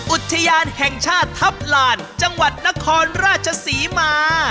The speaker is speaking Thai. อุทยานแห่งชาติทัพลานจังหวัดนครราชศรีมา